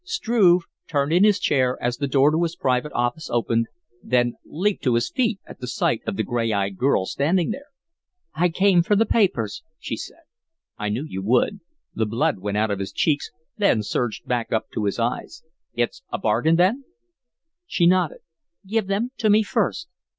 Struve turned in his chair as the door to his private office opened, then leaped to his feet at sight of the gray eyed girl standing there. "I came for the papers," she said. "I knew you would." The blood went out of his cheeks, then surged back up to his eyes. "It's a bargain, then?" She nodded. "Give them to me first."